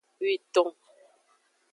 Witon.